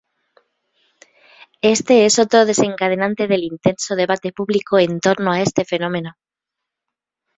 Este es otro desencadenante del intenso debate público en torno a este fenómeno.